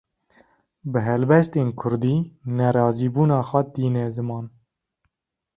Bi helbestên Kurdî, nerazîbûna xwe tîne ziman